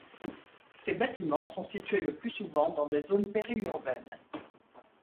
Ces bâtiments sont situés le plus souvent dans des zones péri-urbaines.